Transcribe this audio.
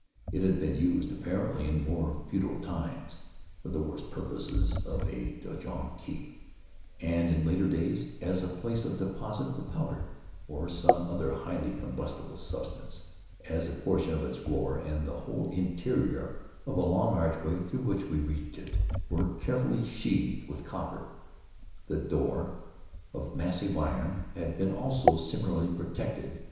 It had been used, apparently, in remote feudal times, for the worst purposes of a donjon keep, and, in later days, as a place of deposit for powder, or some other highly combustible substance, as a portion of its floor, and the whole interior of a long archway through which we reached it, were carefully sheathed with copper. The door, of massive iron, had been, also, similarly protected.